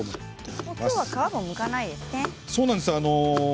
きょうは皮もむかないですね。